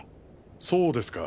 そうですか。